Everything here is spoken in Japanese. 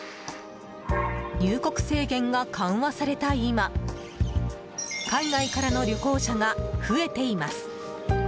入国制限が緩和された今海外からの旅行者が増えています。